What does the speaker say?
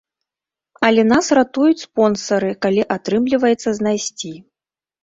Але нас ратуюць спонсары, калі атрымліваецца знайсці.